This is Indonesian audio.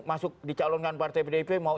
masuk dicalonkan partai pdip mau